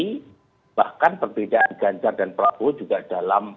jadi bahkan perbedaan ganjar dan prabowo juga dalam